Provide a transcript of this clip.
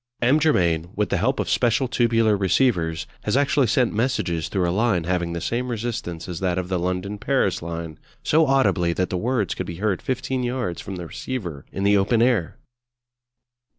M. Germain, with the help of special tubular receivers, has actually sent messages through a line having the same resistance as that of the London Paris line, so audibly that the words could be heard fifteen yards from the receiver in the open air!